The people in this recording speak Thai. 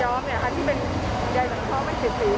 ย้อมนะคะที่ใหญ่เพราะว่าไม่เคแก่สีเลย